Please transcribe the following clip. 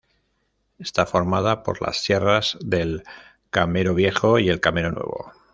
Está formada por las sierras del Camero Viejo y el Camero Nuevo.